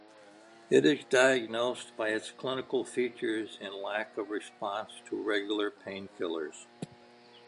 It is diagnosed by its clinical features and lack of response to regular painkillers.